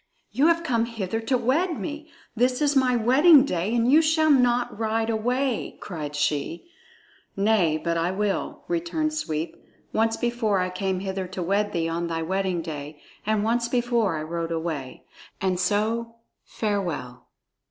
"You have come hither to wed me. This is my wedding day, and you shall not ride away!" cried she. "Nay, but I will," returned Sweep. "Once before I came hither to wed thee on thy wedding day, and once before I rode away. And so farewell!"